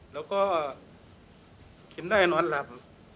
แล้วก็กินได้นอนหลับ